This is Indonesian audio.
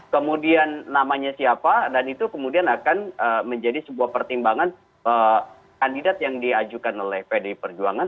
kemudian namanya siapa dan itu kemudian akan menjadi sebuah pertimbangan kandidat yang diajukan oleh pdi perjuangan